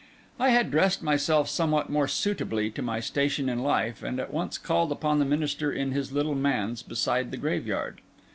I had dressed myself somewhat more suitably to my station in life, and at once called upon the minister in his little manse beside the graveyard.